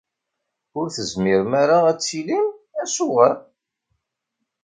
Ur tezmirem ara ad tilim? Acuɣer?